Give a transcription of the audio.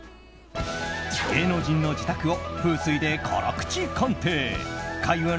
芸能人の自宅を風水で辛口鑑定開運！